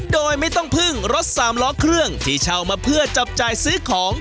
โดยไม่ต้องพึ่งรถสามล้อเครื่องที่เช่ามาเพื่อจับจ่ายซื้อของ